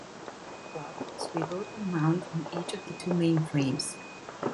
The bodywork, mounted above, swivelled on mounts on each of the two main frames.